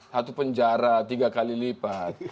satu penjara tiga kali lipat